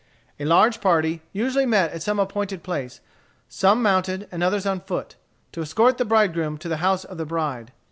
A large party usually met at some appointed place, some mounted and others on foot, to escort the bridegroom to the house of the bride.